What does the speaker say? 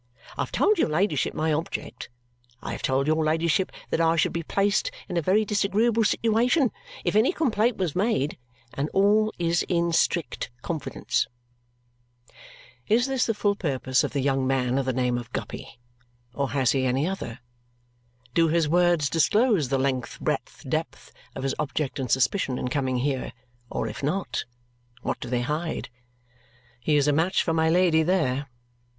I have told your ladyship my object. I have told your ladyship that I should be placed in a very disagreeable situation if any complaint was made, and all is in strict confidence." Is this the full purpose of the young man of the name of Guppy, or has he any other? Do his words disclose the length, breadth, depth, of his object and suspicion in coming here; or if not, what do they hide? He is a match for my Lady there.